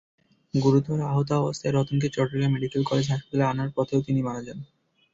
গুরুতর আহতাবস্থায় রতনকে চট্টগ্রাম মেডিকেল কলেজ হাসপাতালে আনার পথে তিনিও মারা যান।